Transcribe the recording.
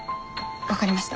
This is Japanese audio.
分かりました。